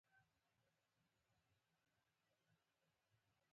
ډاکټر طوفان وزیری موټر سره راورسېد.